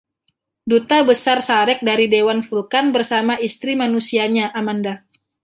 Duta Besar Sarek dari dewan Vulcan bersama istri manusianya Amanda.